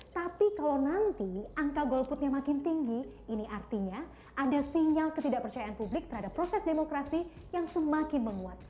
tapi kalau nanti angka golputnya makin tinggi ini artinya ada sinyal ketidakpercayaan publik terhadap proses demokrasi yang semakin menguat